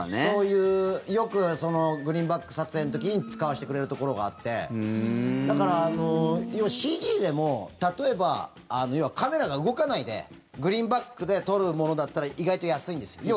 そういうよくグリーンバック撮影の時に使わせてくれるところがあってだから、ＣＧでも例えば、要はカメラが動かないでグリーンバックで撮るものだったら意外と安いんです。